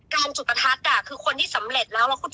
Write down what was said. จุดประทัดคือคนที่สำเร็จแล้ว